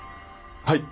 はい。